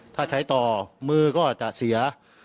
ถ้าใช้ต่อมือก็จะเสีย